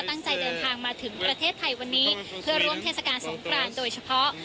ตั้งใจเดินทางมาถึงประเทศไทยวันนี้เพื่อร่วมเทศกาลสงครานโดยเฉพาะ